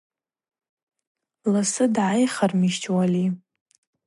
Ласы дгӏайхырмищтӏ Уали.